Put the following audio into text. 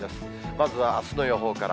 まずはあすの予報から。